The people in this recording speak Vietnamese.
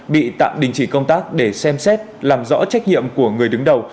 bị tạm đình chỉ công tác để xem xét làm rõ trách nhiệm của người đứng đầu